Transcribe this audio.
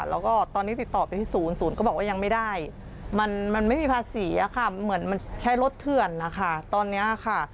แล้วก็ตอนนี้ติดต่อไปที่๐๐ก็บอกว่ายังไม่ได้มันไม่มีภาษีค่ะเหมือนมันใช้รถเถื่อนนะคะตอนนี้ค่ะ